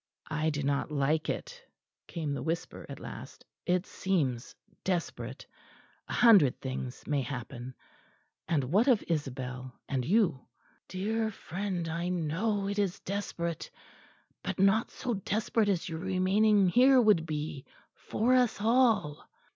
"I do not like it," came the whisper at last; "it seems desperate. A hundred things may happen. And what of Isabel and you?" "Dear friend; I know it is desperate, but not so desperate as your remaining here would be for us all."